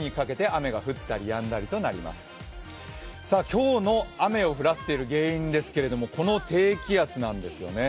今日の雨を降らせている原因ですけれども、この低気圧なんですよね。